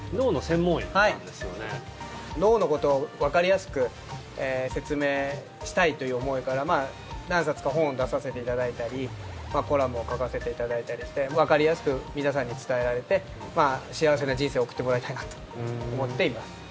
脳のことをわかりやすく説明したいという思いから何冊か本を出させていただいたりコラムを書かせていただいていたりしてわかりやすく皆さんに伝えられて幸せな人生を送ってもらいたいなと思っています。